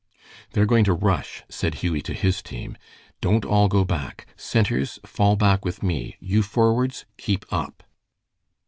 "They're going to rush," said Hughie to his team. "Don't all go back. Centers fall back with me. You forwards keep up."